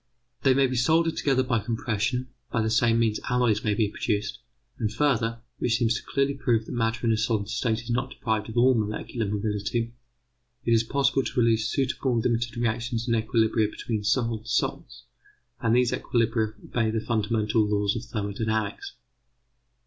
They may be soldered together by compression; by the same means alloys may be produced; and further, which seems to clearly prove that matter in a solid state is not deprived of all molecular mobility, it is possible to realise suitable limited reactions and equilibria between solid salts, and these equilibria obey the fundamental laws of thermodynamics.